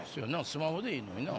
スマホでいいのにな。